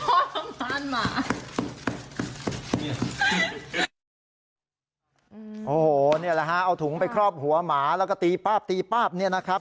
โอ้โหนี่แหละฮะเอาถุงไปครอบหัวหมาแล้วก็ตีป้าบตีป้าบเนี่ยนะครับ